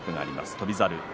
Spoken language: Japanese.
翔猿。